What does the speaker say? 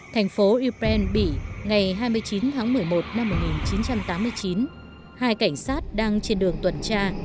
thành phố ypren bỉ ngày hai mươi chín tháng một mươi một năm một nghìn chín trăm tám mươi chín hai cảnh sát đang trên đường tuần tra